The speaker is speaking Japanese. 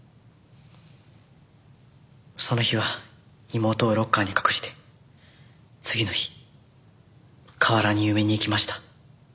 その日は妹をロッカーに隠して次の日河原に埋めに行きました。